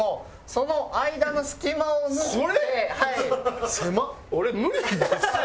その間の隙間を縫ってもらって。